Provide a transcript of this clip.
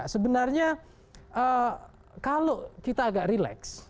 sebenarnya kalau kita agak relax